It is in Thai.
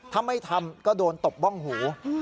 ถ้าไม่ทำก็โดนตบบ้องหู